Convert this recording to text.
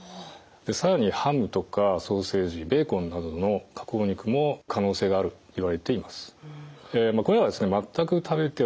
更にハムとかソーセージベーコンなどの加工肉も可能性があるといわれています。